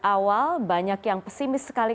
awal banyak yang pesimis sekali